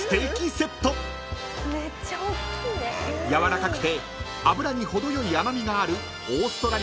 ［やわらかくて脂に程よい甘味がある］